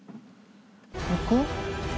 ここ？